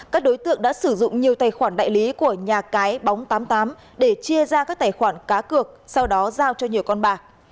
các đối tượng đã sử dụng nhiều tài khoản đại lý của nhà cái bóng tám mươi tám để chia ra các tài khoản cá cược sau đó giao cho nhiều con bạc